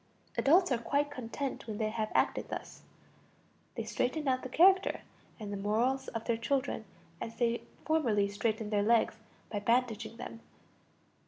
Adults are quite content when they have acted thus. They straighten out the character and the morals of their children as they formerly straightened their legs by bandaging them.